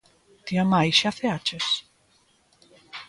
Tía May, xa ceaches?